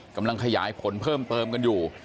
กำลังขยายผลเพิ่มเติมกันอยู่